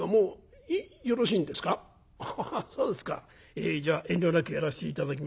えじゃあ遠慮なくやらせて頂きます。